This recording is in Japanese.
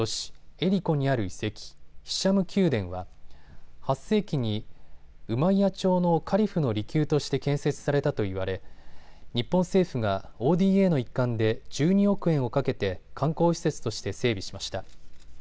エリコにある遺跡、ヒシャム宮殿は８世紀にウマイヤ朝のカリフの離宮として建設されたといわれ日本政府がＯＤＡの一環で１２億円をかけて観光施設として整備しました。